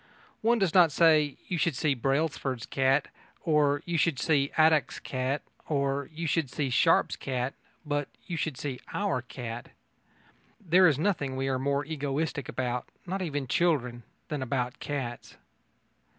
One does not say: "You should see Brailsford's cat" or "You should see Adcock's cat" or "You should see Sharp's cat," but "You should see our cat." There is nothing we are more egoistic about not even children than about cats.